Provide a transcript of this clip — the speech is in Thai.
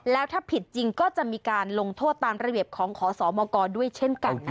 แล้วถ้าผิดจริงก็จะมีการลงโทษตามระเบียบของขอสมกด้วยเช่นกันค่ะ